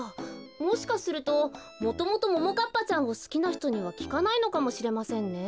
もしかするともともとももかっぱちゃんをすきなひとにはきかないのかもしれませんね。